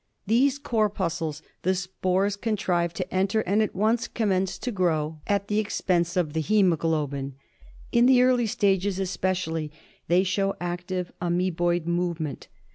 These cor puscles the spores contrive to enter and ^^ at once commence to grow at the Roaeiie. ;86 .MALARIA. expense of the hsmoglobin. In the early stages espe cially they show active amteboid movement.